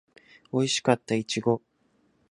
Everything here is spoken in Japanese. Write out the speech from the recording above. おいしかったいちご